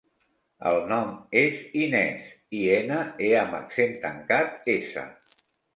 El nom és Inés: i, ena, e amb accent tancat, essa.